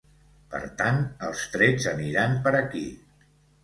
Per tant, els trets aniran per aquí.